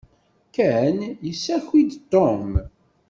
Ken yessaki-d Tom.